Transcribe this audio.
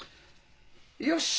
よし。